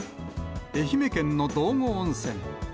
愛媛県の道後温泉。